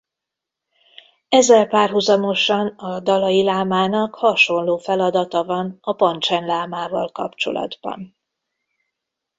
Ezzel párhuzamosan a dalai lámának hasonló feladata van a pancsen lámával kapcsolatban.